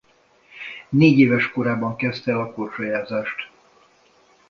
Négyéves korában kezdte el a korcsolyázást.